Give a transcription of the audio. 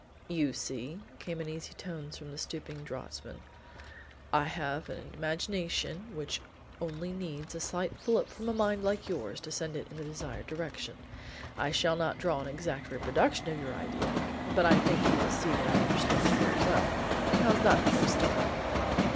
"You see," came in easy tones from the stooping draughtsman, "I have an imagination which only needs a slight fillip from a mind like yours to send it in the desired direction. I shall not draw an exact reproduction of your idea, but I think you will see that I understand it very well. How's that for a start?"